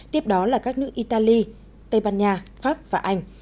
tiếp đó là các nước italy tây ban nha pháp và anh